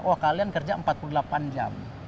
oh kalian kerja empat puluh delapan jam